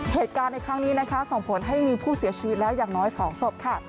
เหตุการณ์ในครั้งนี้นะคะส่งผลให้มีผู้เสียชีวิตแล้วอย่างน้อย๒ศพค่ะ